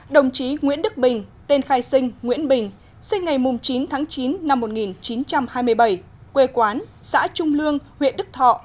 đồng chí nguyễn đức bình tên khai sinh nguyễn bình sinh ngày chín tháng chín năm một nghìn chín trăm hai mươi bảy quê quán xã trung lương huyện đức thọ